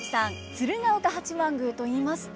鶴岡八幡宮といいますと。